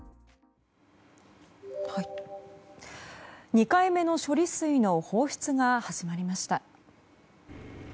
２回目の処理水の放出が始まりました。